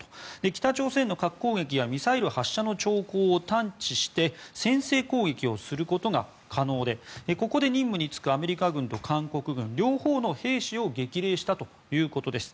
北朝鮮の核攻撃やミサイル発射の兆候を探知して先制攻撃をすることが可能でここで任務に就くアメリカ軍と韓国軍両方の兵士を激励したということです。